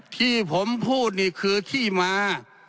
ที่ผมพูดนี่คือที่มา